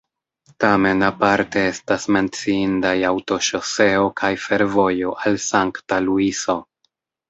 Tamen aparte estas menciindaj aŭtoŝoseo kaj fervojo al Sankta Luiso.